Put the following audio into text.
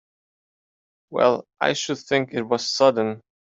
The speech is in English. Well I should think it was sudden!